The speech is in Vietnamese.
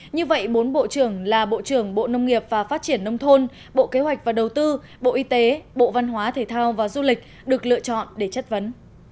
như vậy bốn bộ trưởng là bộ trưởng bộ nông nghiệp và phát triển nông thôn bộ kế hoạch và đầu tư bộ y tế bộ văn hóa thể thao và du lịch được lựa chọn để chất vấn